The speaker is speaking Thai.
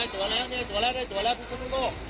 ได้ตัวแล้วตัวแล้วพิษนุนโลก